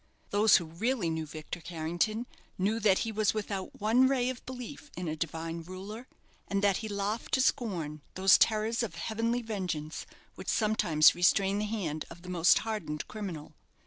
Those who really knew Victor Carrington knew that he was without one ray of belief in a Divine Ruler, and that he laughed to scorn those terrors of heavenly vengeance which will sometimes restrain the hand of the most hardened criminal.